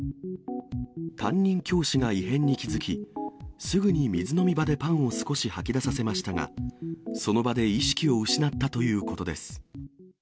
担任教師が異変に気付き、すぐに水飲み場でパンを少し吐き出させましたが、その場で意識を失ったということです。